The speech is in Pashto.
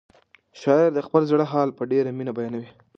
شاعر د خپل زړه حال په ډېره مینه بیانوي.